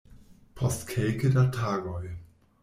Post kelke da tagoj.